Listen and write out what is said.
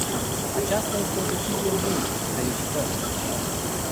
Aceasta este o decizie bună, felicitări!